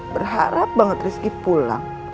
berharap banget rizky pulang